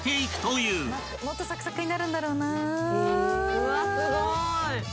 うわっすごーい！